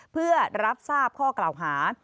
เพื่อรับทราบข้อกล่าวหา